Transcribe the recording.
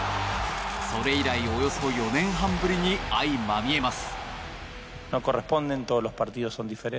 それ以来、およそ４年半ぶりに相まみえます。